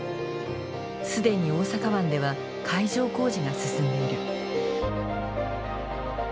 既に大阪湾では会場工事が進んでいる。